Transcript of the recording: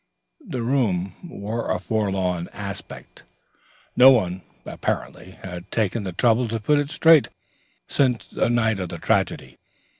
The room wore a forlorn aspect; no one, apparently, had taken the trouble to put it straight since the night of the tragedy.